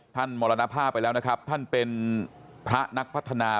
มรณภาพไปแล้วนะครับท่านเป็นพระนักพัฒนา